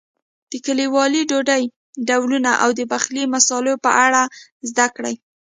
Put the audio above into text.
د کلیوالي ډوډۍ ډولونو او د پخلي مسالو په اړه زده کړئ.